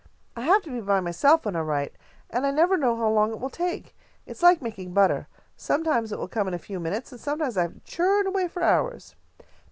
"I have to be by myself when I write, and I never know how long it will take. It is like making butter. Sometimes it will come in a few minutes, and sometimes I have to churn away for hours."